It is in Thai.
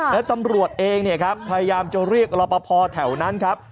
แล้วตำรวจเองพยายามจะเรียกรปภแถวนั้นครับ